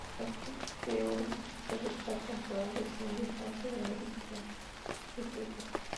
Los tres peores equipos de cada temporada descienden a la Segunda División de Suecia.